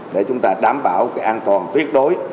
để chúng ta đảm bảo an toàn tuyết đối